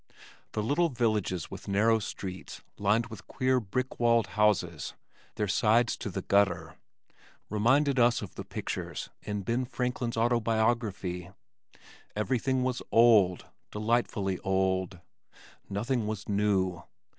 The little villages with narrow streets lined with queer brick walled houses (their sides to the gutter) reminded us of the pictures in Ben Franklin's Autobiography. Everything was old, delightfully old. Nothing was new.